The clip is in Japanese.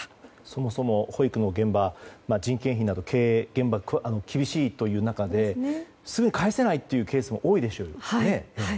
そもそも保育の現場人件費などで経営が苦しい中ですぐ返せないケースも多いでしょうね。